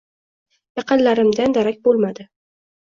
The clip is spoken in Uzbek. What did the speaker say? Yaqinlarimdan darak bo‘lmadi.